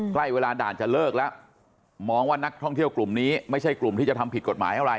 ใกล้เวลาด่านจะเลิกแล้วมองว่านักท่องเที่ยวกลุ่มนี้ไม่ใช่กลุ่มที่จะทำผิดกฎหมายอะไร